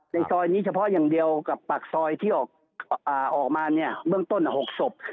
ซอยนี้เฉพาะอย่างเดียวกับปากซอยที่ออกมาเนี่ยเบื้องต้น๖ศพ